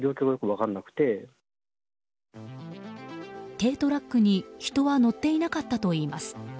軽トラックに人は乗っていなかったといいます。